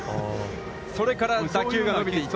それから打球が伸びていって。